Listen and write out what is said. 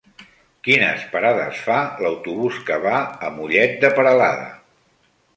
Quines parades fa l'autobús que va a Mollet de Peralada?